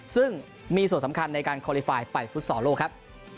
ซึ่งมีส่วนสำคัญในการไปฟุตซอร์โลกครับ